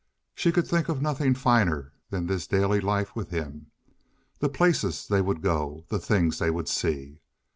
She could think of nothing finer than this daily life with him—the places they would go, the things they would see.